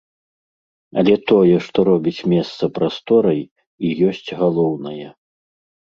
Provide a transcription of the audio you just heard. Але тое, што робіць месца прасторай, і ёсць галоўнае.